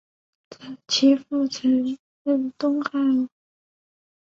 其父曾任东汉乌丸校尉。